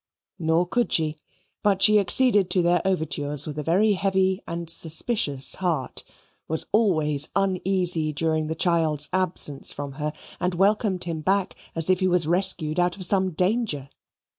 Nor could she, but she acceded to their overtures with a very heavy and suspicious heart, was always uneasy during the child's absence from her, and welcomed him back as if he was rescued out of some danger.